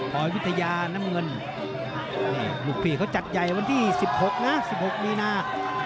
วิทยาน้ำเงินนี่ลูกพี่เขาจัดใหญ่วันที่๑๖นะ๑๖มีนา